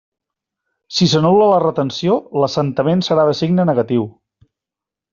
Si s'anul·la la retenció, l'assentament serà de signe negatiu.